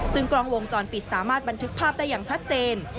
ซึ่งกล้องวงจรปิดสามารถบันทึกภาพได้อย่างชัดเจน